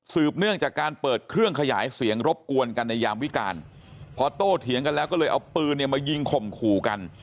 เนื่องจากการเปิดเครื่องขยายเสียงรบกวนกันในยามวิการพอโต้เถียงกันแล้วก็เลยเอาปืนเนี่ยมายิงข่มขู่กัน